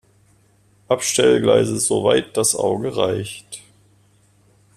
Abstellgleise so weit das Auge reicht!